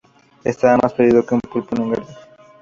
Estaba más perdido que un pulpo en un garaje